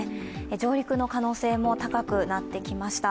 上陸の可能性も高くなってきました。